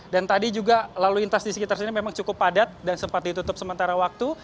dan tadi juga lalu intas di sekitar sini memang cukup padat dan sempat ditutup sementara waktu